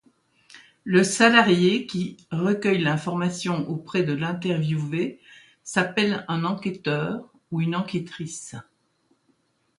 Le salarié qui recueille l'information auprès de l'interviewé s'appelle un enquêteur ou une enquêtrice.